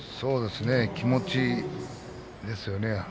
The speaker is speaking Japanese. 気持ちですよね。